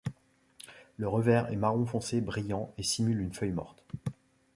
Le revers est marron foncé brillant et simule une feuille morte.